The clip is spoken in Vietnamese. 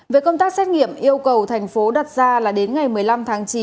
về công tác xét nghiệm yêu cầu thành phố đặt ra là đến ngày một mươi năm tháng chín